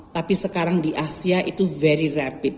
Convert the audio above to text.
tapi sekarang di asia itu very rapid